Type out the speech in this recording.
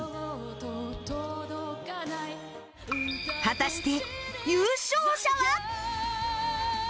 果たして優勝者は？